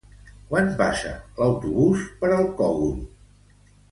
Quan passa l'autobús per el Cogul?